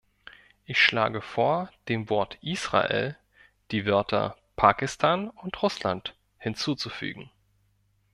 Ich schlage vor, dem Wort "Israel die Wörter "Pakistan und Russland" hinzuzufügen.